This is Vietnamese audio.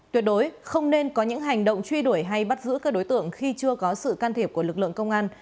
tuyệt đối không nên có những hành động truy đuổi hay bắt giữ các đối tượng khi chưa có sự can thiệp của lực lượng công an